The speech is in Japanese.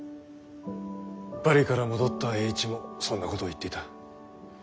パリから戻った栄一もそんなことを言っていた。